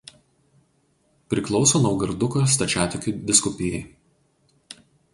Priklauso Naugarduko stačiatikių vyskupijai.